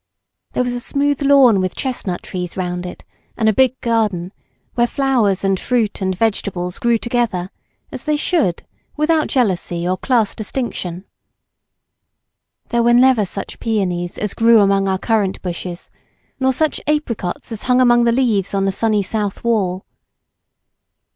There was a smooth lawn with chestnut trees round it and a big garden, where flowers and fruit and vegetables grew together, as they should, without jealousy or class distinction. There never were such peonies as grew among our currant bushes, nor such apricots as hung among the leaves on the sunny south wall.